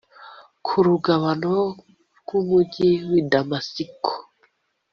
ku rugabano rw umugi w i Damasiko